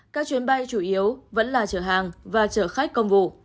các chuyến bay chủ yếu vẫn là chở hàng và chở khách công vụ